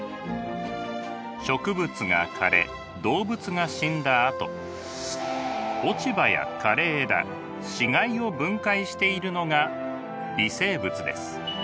植物が枯れ動物が死んだあと落葉や枯れ枝死骸を分解しているのが微生物です。